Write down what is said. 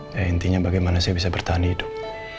dan intinya bagaimana saya bisa bertahan di hidup